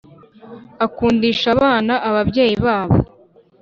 akundisha abana ababyeyi babo,